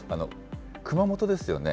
熊本ですよね。